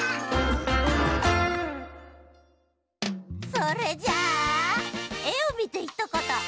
それじゃあ「えをみてひとこと」